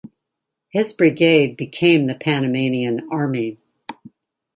His brigade became the Panamanian army.